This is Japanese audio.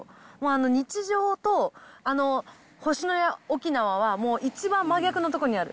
日常と星のや沖縄は、もう一番真逆のところにある。